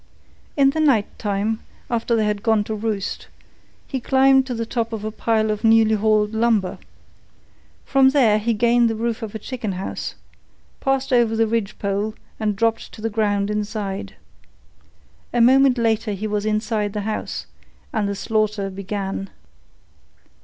In the night time, after they had gone to roost, he climbed to the top of a pile of newly hauled lumber. From there he gained the roof of a chicken house, passed over the ridgepole and dropped to the ground inside. A moment later he was inside the house, and the slaughter began.